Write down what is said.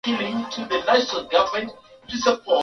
Mama yeyote eko na uwezo ya ku ongoza ata inchi